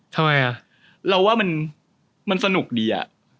ทำไมอ่ะเราว่ามันสนุกดีอะ